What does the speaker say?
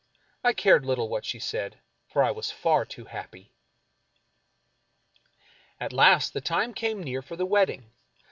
I cared little what she said, for I was far too happy. At last the time came near for the wedding.